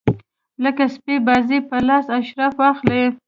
لکه سپي بازي په لاس اشراف واخلي.